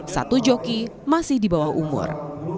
satu joki masih di bawah umur